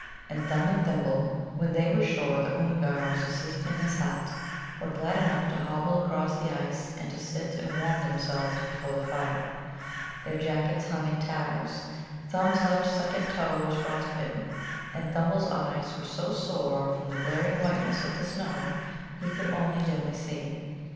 And Thumb and Thimble, when they were sure the Oomgar was asleep in his hut, were glad enough to hobble across the ice and to sit and warm themselves before the fire. Their jackets hung in tatters. Thumb's left second toe was frost bitten, and Thimble's eyes were so sore from the glaring whiteness of the snow he could only dimly see.